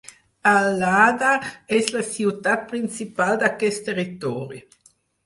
Allada és la ciutat principal d'aquest territori.